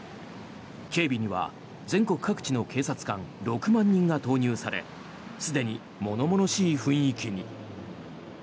警備には全国各地の警察官６万人が投入されすでに物々しい雰囲気に。